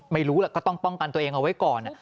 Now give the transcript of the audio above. ไม่รู้แหละก็ต้องป้องกันตัวเองเอาไว้ก่อน